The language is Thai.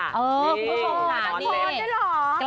ว้าวมึงแล้วนะว้าวต้องถามได้เหรอ